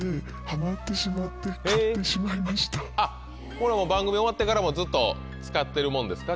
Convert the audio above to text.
これ番組終わってからもずっと使ってるものですか？